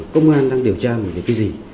công an đang điều tra về cái gì